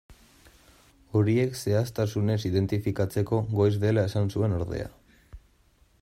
Horiek zehaztasunez identifikatzeko goiz dela esan zuen ordea.